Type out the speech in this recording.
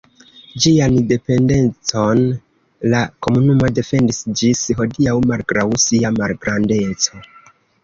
Ĝian sendependecon la komunumo defendis ĝis hodiaŭ malgraŭ sia malgrandeco.